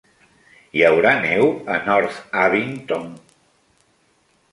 Hi haurà neu a North Abington?